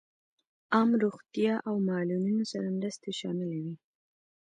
عام روغتیا او معلولینو سره مرستې شاملې وې.